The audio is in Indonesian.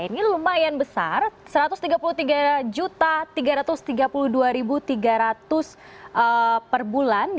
ini lumayan besar satu ratus tiga puluh tiga tiga ratus tiga puluh dua tiga ratus per bulan